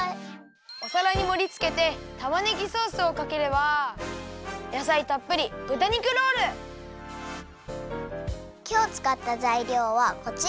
おさらにもりつけてたまねぎソースをかければやさいたっぷりきょうつかったざいりょうはこちら！